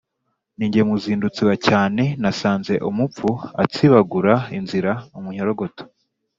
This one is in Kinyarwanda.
Ni jye muzindutsi wa cyane nasanze umupfu atsibagura inzira.-Umunyorogoto.